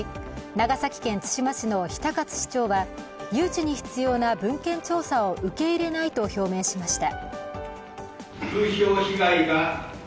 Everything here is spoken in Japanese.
長崎県対馬市の比田勝市長は誘致に必要な文献調査を受け入れないと表明しました。